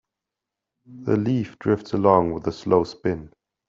The leaf drifts along with a slow spin.